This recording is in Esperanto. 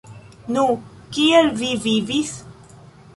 Nu, kiel vi vivis?